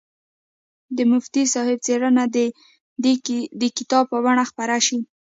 د مفتي صاحب څېړنه دې د کتاب په بڼه خپره شي.